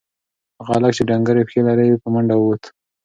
هغه هلک چې ډنگرې پښې لري په منډه ووت.